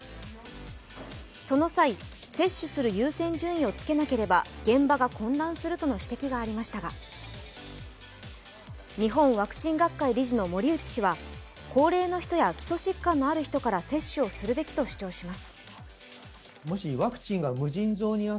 その際、接種する優先順位をつけなければ現場が混乱するという意見がありましたが日本ワクチン学会理事の森内氏は高齢の人や基礎疾患のある人から接種をするべきと主張します。